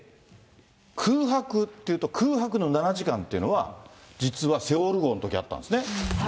空白っていうと、空白の７時間っていうのは、実はセウォル号のときにあったんですね。